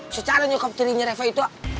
secara nyokap tirinya reva itu